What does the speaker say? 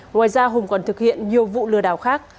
ngoài ra hùng còn thực hiện nhiều vụ lừa đảo khác